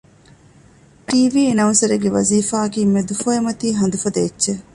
ޓީވީ އެނައުންސަރެއްގެ ވަޒީފާއަކީ މެދުފޮއިމަތީ ހަނދު ފަދަ އެއްޗެއް